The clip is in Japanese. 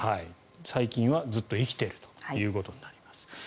細菌はずっと生きているということになります。